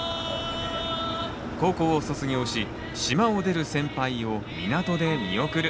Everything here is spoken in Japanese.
高校を卒業し島を出る先輩を港で見送る。